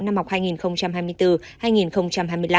năm học hai nghìn hai mươi bốn hai nghìn hai mươi năm